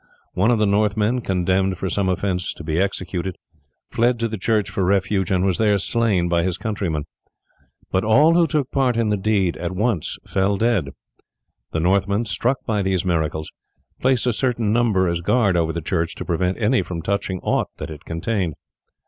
One of the Northmen, condemned for some offence to be executed, fled to the church for refuge, and was there slain by his countrymen; but all who took part in the deed at once fell dead. The Northmen, struck by these miracles, placed a certain number as guard over the church to prevent any from touching aught that it contained.